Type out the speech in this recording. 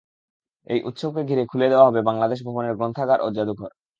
এই উৎসবকে ঘিরে খুলে দেওয়া হবে বাংলাদেশ ভবনের গ্রন্থাগার ও জাদুঘর।